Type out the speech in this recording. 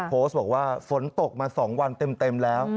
โพสต์บอกว่าฝนตกมา๒วันเต็มแล้ว